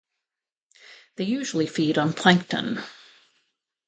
They usually feed on plankton.